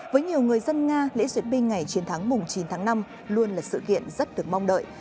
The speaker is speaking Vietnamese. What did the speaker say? với nhiều người dân nga lễ duyệt binh ngày chiến thắng mùng chín tháng năm luôn là sự kiện rất được mong đợi